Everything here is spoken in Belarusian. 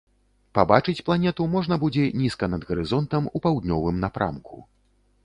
Пабачыць планету можна будзе нізка над гарызонтам у паўднёвым напрамку.